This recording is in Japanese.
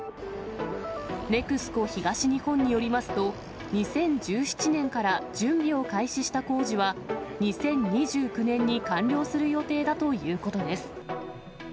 ＮＥＸＣＯ東日本によりますと、２０１７年から準備を開始した工事は、２０２９年に完了する予定だということです。